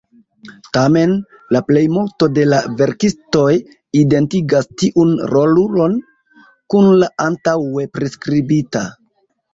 Tamen, la plejmulto de la verkistoj identigas tiun rolulon kun la antaŭe priskribita.